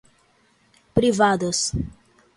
privadas